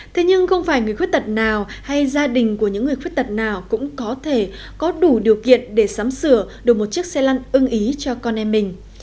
thế nhưng không phải người khuyết tật nào hay gia đình của những người khuyết tật nào cũng có thể có đủ điều kiện để sắm sửa đổi một chiếc xe lăn ưng ý cho con em mình